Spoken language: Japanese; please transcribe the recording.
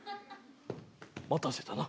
待たせたな。